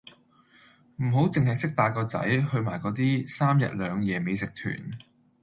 唔好淨係識帶個仔去埋嗰啲三日兩夜美食團